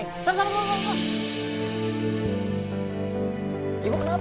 salah salah salah